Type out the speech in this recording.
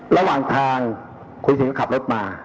ระหว่างทางคุณสิทธิ์ก็ขับรถมา